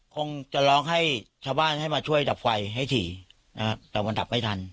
คงจะร้องให้ชาวบ้านให้มาช่วยดับไฟให้ถี่แต่มันดับไม่ทัน